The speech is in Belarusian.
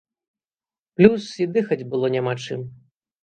Плюс і дыхаць было няма чым.